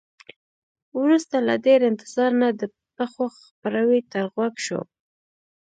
وروسته له ډیر انتظار نه د پښو څپړاوی تر غوږ شو.